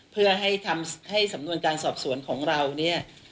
เพื่อให้ทำให้สำนวนการสอบสวนของเราเนี่ย